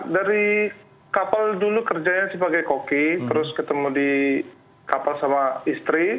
dari kapal dulu kerjanya sebagai koki terus ketemu di kapal sama istri